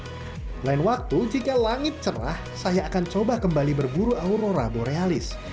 selain waktu jika langit cerah saya akan coba kembali berburu aurora borealis